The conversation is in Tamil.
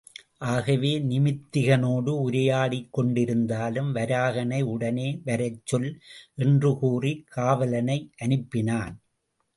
ஆகவே நிமித்திகனோடு உரையாடிக் கொண்டிருந்தாலும், வராகனை உடனே வரச்சொல்? என்றுகூறிக் காவலனை அனுப்பினான்.